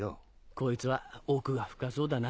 こいつは奥が深そうだな。